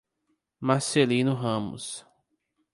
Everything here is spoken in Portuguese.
Marcelino Ramos